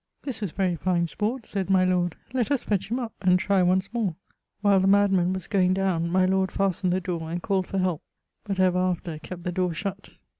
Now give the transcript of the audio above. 'This is very fine sport,' sayd my lord, 'let us fetch him up, and try once more.' While the madman was goeing downe, my lord fastned the dore, and called for help, but ever after kept the dore shutt.